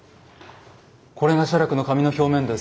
これが写楽の紙の表面です。